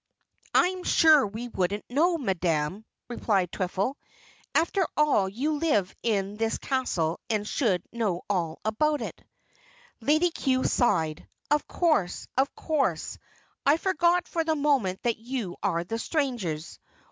"I'm sure we wouldn't know, Madame," replied Twiffle. "After all, you live in this castle and should know all about it." Lady Cue sighed. "Of course, of course. I forgot for the moment that you are the strangers.